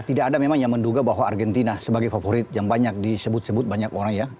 tidak ada memang yang menduga bahwa argentina sebagai favorit yang banyak disebut sebut banyak orang ya